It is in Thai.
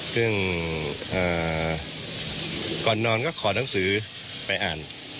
ซึ่งก่อนนอนก็ขอหนังสือไปอ่าน